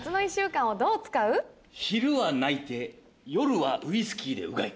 昼は鳴いて夜はウイスキーでうがい。